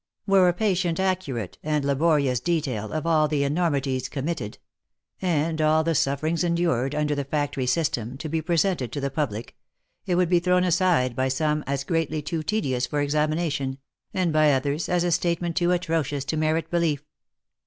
Were a patient, ac curate, and laborious detail of all the enormities committed, and all the 7, /////<:////.';//>//// iiiir i in /'——■■»■ OF MICHAEL ARMSTRONG. 203 sufferings endured, under the factory system, to be presented to the public, it would be thrown aside by some, as greatly too tedious for examination, and by others as a statement too atrocious to merit be lief.